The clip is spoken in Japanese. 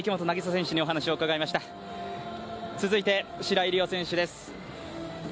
続いて白井璃緒選手です。